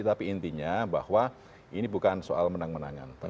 tapi intinya bahwa ini bukan soal menang menangan